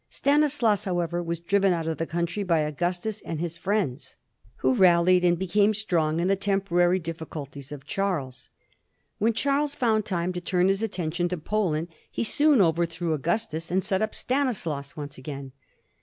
Stanislaus, however, was driven out of the country by Augustus and his friends, who rallied and became strong in the tempo rary difficulties of Charles. When Charles found time to turn his attention to Poland he soon overthrew Augustus and set up Stanislaus once again.